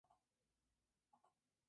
La estructura de la parada es la habitual.